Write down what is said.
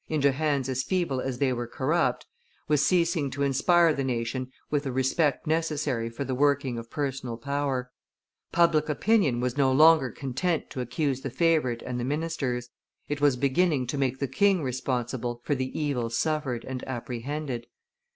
into hands as feeble as they were corrupt, was ceasing to inspire the nation with the respect necessary for the working of personal power: public opinion was no longer content to accuse the favorite and the ministers; it was beginning to make the king responsible for the evils suffered and apprehended.